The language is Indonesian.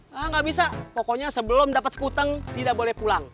nggak bisa pokoknya sebelum dapat sekutang tidak boleh pulang